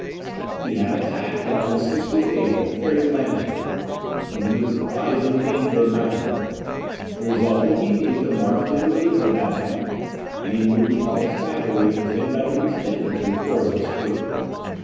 He had attacked, and on the 16th April, carried Landsberg, when he was apprised of the danger of Magdeburg. He resolved immediately to march to the relief of that town; and he moved with all his cavalry, and ten regiments of infantry towards the Spree.